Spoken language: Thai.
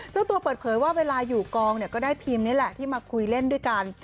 เจ้าตัวเปิดเผยว่าเวลาอยู่กองเนี่ยก็ได้พิมพ์นี่แหละที่มาคุยเล่นด้วยกัน